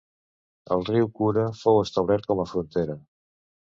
El riu Kura fou establert com a frontera.